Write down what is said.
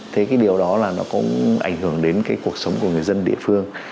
thế cái điều đó là nó cũng ảnh hưởng đến cái cuộc sống của người dân địa phương